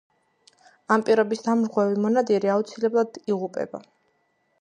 ამ პირობის დამრღვევი მონადირე აუცილებლად იღუპება.